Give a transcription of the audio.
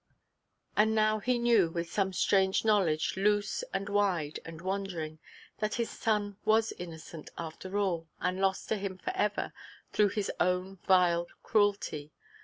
And now he knew, with some strange knowledge, loose, and wide, and wandering, that his son was innocent after all, and lost to him for ever, through his own vile cruelty.